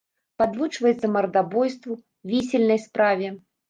Падвучваецца мардабойству, вісельнай справе.